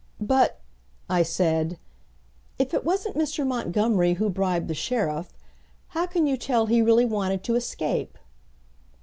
"But," I said, "if it wasn't Mr. Montgomery who bribed the sheriff, how can you tell he really wanted to escape?"